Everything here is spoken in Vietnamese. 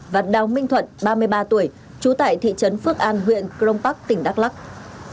và đào minh thuận ba mươi ba tuổi trú tại thị trấn phước an huyện crong park tỉnh đắk lắc